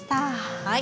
はい。